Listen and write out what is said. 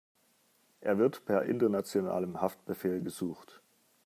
Er wird per internationalem Haftbefehl gesucht.